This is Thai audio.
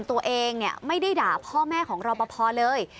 ตัวเองไม่ได้ด่าพ่อแม่ของรอปภเลย